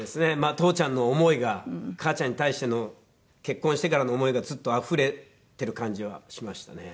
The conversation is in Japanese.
父ちゃんの思いが母ちゃんに対しての結婚してからの思いがずっとあふれてる感じはしましたね。